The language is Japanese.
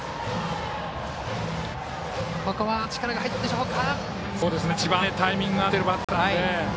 ここは力が入ったでしょうか。